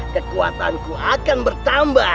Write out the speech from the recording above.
kekuatanku akan bertambah